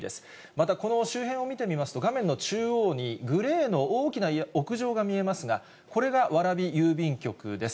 またこの周辺を見てみますと、画面の中央に、グレーの大きな屋上が見えますが、これが蕨郵便局です。